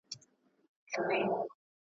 او ابۍ به دي له کوم رنځه کړیږي ,